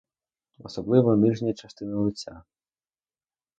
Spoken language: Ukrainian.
Особливо нижня частина лиця.